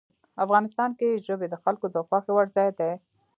افغانستان کې ژبې د خلکو د خوښې وړ ځای دی.